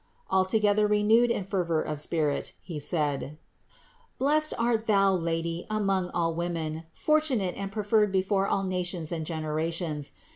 Altogether renewed in fervor of spirit he said : 410. "Blessed art Thou, Lady, among all women, fortunate and preferred before all nations and genera tions.